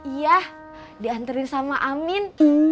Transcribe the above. iya diantarin sama amin